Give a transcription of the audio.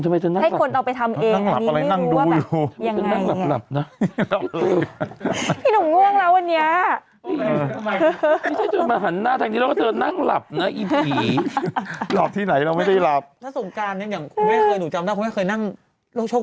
พี่หนุ่มทำไมเธอนั่งหลับนั่งดูอยู่